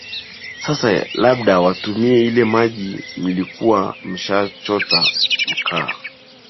sasa labda watumie ile maji mlikuwa msha chota mkaa